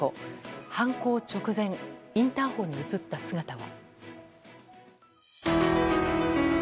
犯行直前インターホンに映った姿は。